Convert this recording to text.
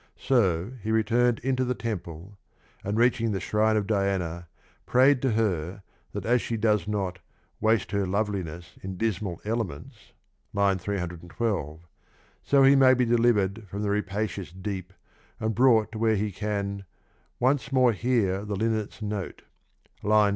So he returned into the temple, and reaching the shrine of Diana prayed to her that as she does not " waste her love liness in dismal elements " (312) so he may be delivered from the rapacious deep and brought where he can " once more hear the linnet's note " (322).